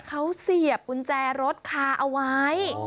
เขาเสียบกุญแจรถคาเอาไว้